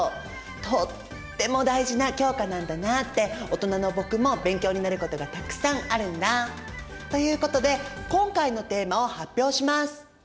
とっても大事な教科なんだなって大人の僕も勉強になることがたくさんあるんだ！ということで今回のテーマを発表します！